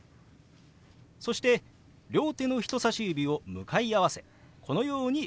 そして両手の人さし指を向かい合わせこのように動かします。